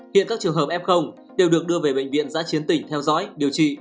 hiện các trường hợp f đều được đưa về bệnh viện giã chiến tỉnh theo dõi điều trị